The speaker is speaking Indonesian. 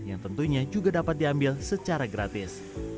yang tentunya juga dapat diambil secara gratis